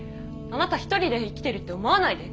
あなた一人で生きてるって思わないで。